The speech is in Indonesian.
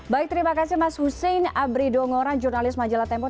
baik terima kasih mas hussein abrido ngoran jurnalis majalah tempoh